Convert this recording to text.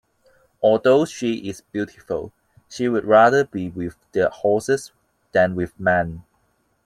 Although she is beautiful, she would rather be with the horses than with men.